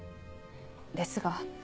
ですが。